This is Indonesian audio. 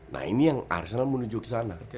nah ini yang arsenal menuju ke sana